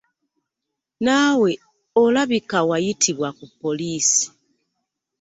Naawe olabika wayitibwa ku poliisi.